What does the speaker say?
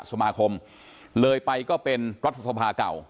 สมาคมเลยไปก็เป็นรัฐสภาเก่า